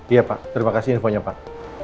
iya pak terima kasih infonya pak